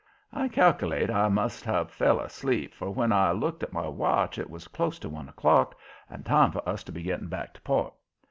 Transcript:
I cal'late I must have fell asleep, for when I looked at my watch it was close to one o'clock, and time for us to be getting back to port.